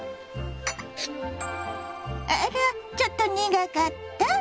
あらっちょっと苦かった？